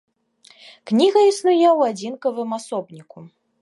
Кніга існуе ў адзінкавым асобніку.